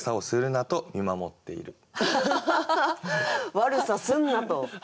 「悪さすんな」と。